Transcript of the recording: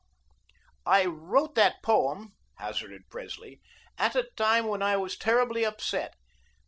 "I wrote that poem," hazarded Presley, "at a time when I was terribly upset.